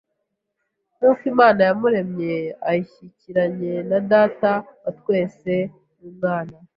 nk’uko Imana yamuremye, ashyikiranye na Data wa twese n’Umwana,